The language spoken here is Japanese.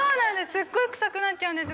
すっごいくさくなっちゃうんです